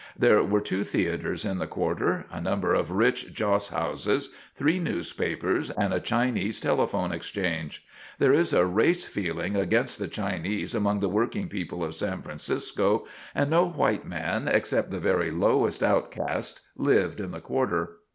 There were two theatres in the quarter, a number of rich joss houses, three newspapers and a Chinese telephone exchange. There is a race feeling against the Chinese among the working people of San Francisco, and no white man, except the very lowest outcasts, lived in the quarter.